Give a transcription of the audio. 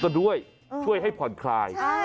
ก็ด้วยช่วยให้ผ่อนคลาย